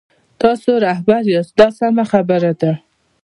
تاسو رهبر یاست دا سمه خبره ده.